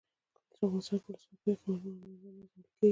کله چې افغانستان کې ولسواکي وي هنرمندان نازول کیږي.